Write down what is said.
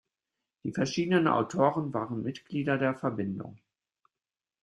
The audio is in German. Die verschiedenen Autoren waren Mitglieder der Verbindung.